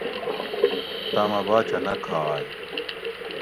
تامہ باچہ نہ کھاگ